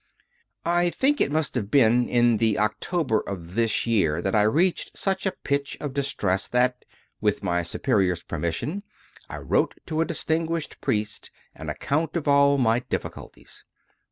5. I think it must have been in the October of this year that I reached such a pitch of distress that, with my Superior s permission, I wrote to a distinguished priest an account of all my difficulties.